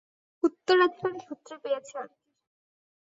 উত্তরাধিকারীসূত্রে পেয়েছে আরকি।